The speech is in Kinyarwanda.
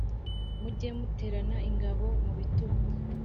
muge muterana ingabo mu bitugu.